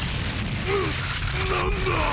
な何だ⁉